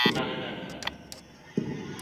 که انلاین زده کړه وي، نو د حضور څارنه سخته وي.